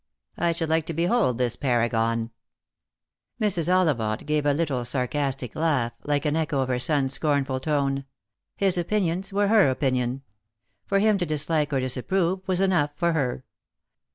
I should like to behold this paragon." Mrs. Ollivant gave a little sarcastic laugh, like an echo of her son's scornful tone. His opinions were her opinion. For him to dislike or disapprove was enough for her.